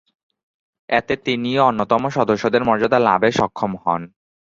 এতে তিনিও অন্যতম সদস্যের মর্যাদা লাভে সক্ষম হন।